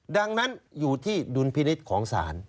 ดังนั้นอยู่ที่ดุลพินิษฐ์ของศาล